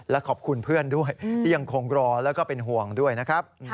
และขอบคุณเพื่อนด้วยที่ยังคงรอแล้วก็เป็นห่วงด้วยนะครับ